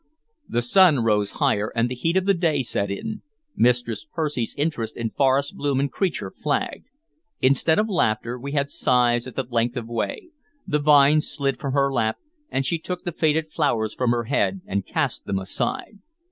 The sun rose higher, and the heat of the day set in. Mistress Percy's interest in forest bloom and creature flagged. Instead of laughter, we had sighs at the length of way; the vines slid from her lap, and she took the faded flowers from her head and cast them aside.